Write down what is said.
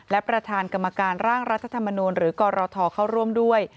และประธานกรรมการร่างรัฐธรรมนูลหรือกรทเข้าร่วมด้วย